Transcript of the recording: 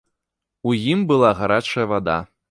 У ім была гарачая вада.